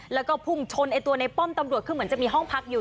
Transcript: แล้วก็พุ่งชนไอ้ตัวในป้อมตำรวจคือเหมือนจะมีห้องพักอยู่